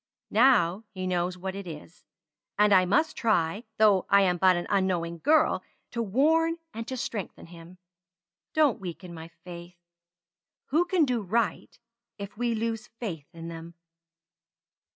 Now he knows what it is; and I must try, though I am but an unknowing girl, to warn and to strengthen him. Don't weaken my faith. Who can do right if we lose faith in them?"